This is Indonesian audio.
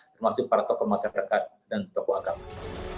termasuk para tokoh masyarakat dan tokoh agama